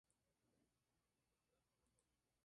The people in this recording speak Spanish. Literalmente significa "oeste".